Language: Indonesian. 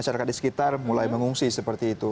masyarakat di sekitar mulai mengungsi seperti itu